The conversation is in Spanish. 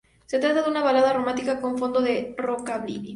Se trata de una balada romántica, con fondo de rockabilly.